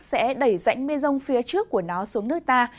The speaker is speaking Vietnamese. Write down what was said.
sẽ đẩy dãy mê rông phía trước của nó xuống nước ta